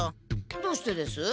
どうしてです？